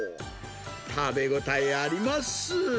食べ応えあります。